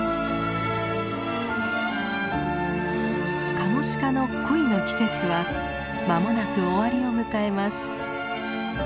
カモシカの恋の季節は間もなく終わりを迎えます。